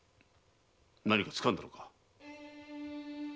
何か掴んだのか？